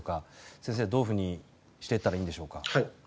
先生、どうしていったらいいんでしょうか。